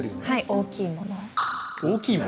「大きいもの」？